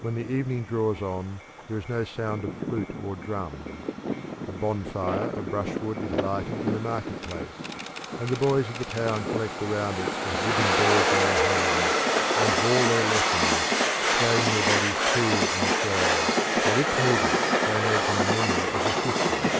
When the evening draws on there is no sound of flute and drum. A bonfire of brushwood is lighted in the market place, and the boys of the town collect around it with wooden boards in their hands, and bawl their lessons, swaying their bodies to and fro, by which movement they imagine the memory is assisted.